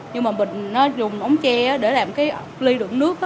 nhưng mà mình dùng ống tre để làm cái ốc ly đựng nước